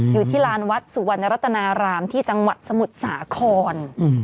อยู่ที่ลานวัดสุวรรณรัตนารามที่จังหวัดสมุทรสาคร